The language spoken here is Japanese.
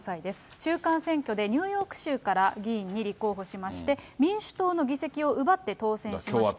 中間選挙でニューヨーク州から議員に立候補しまして、民主党の議席を奪って当選しました。